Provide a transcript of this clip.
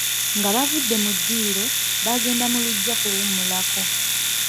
Nga bavudde mu ddiiro, baagenda mu luggya kuwummulako.